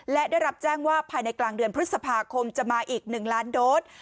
และได้รับแจ้งว่าภายในกลางเดือนพฤษภาคมจะมาอีก๑ล้านโดส